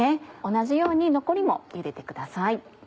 同じように残りもゆでてください。